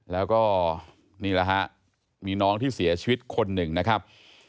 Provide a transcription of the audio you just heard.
แล้วก็นี่แหละฮะมีน้องที่เสียชีวิตคนหนึ่งนะครับ